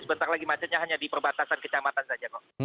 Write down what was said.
sebentar lagi macetnya hanya di perbatasan kecamatan saja kok